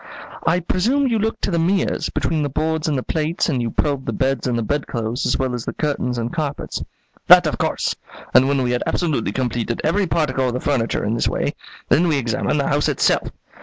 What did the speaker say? "I presume you looked to the mirrors, between the boards and the plates, and you probed the beds and the bedclothes, as well as the curtains and carpets." "That of course; and when we had absolutely completed every particle of the furniture in this way, then we examined the house itself.